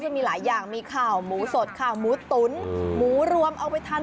มีหลายอย่างมีข่าวหมูสดข่าวหมูตุ๋นหมูรวมเอาไปทาน